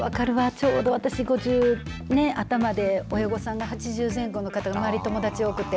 ちょうど私、５０頭で親御さんが８０前後の方その友達多くて。